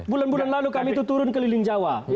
bulan bulan lalu kami itu turun ke liling jawa